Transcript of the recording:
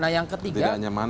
nah yang ketiga